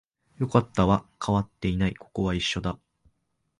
よかった、変わっていない、ここは一緒だ